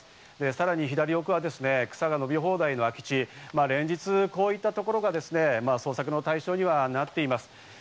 さらに左奥は草が伸び放題の空き地、連日こういった所が捜索の対象になっています。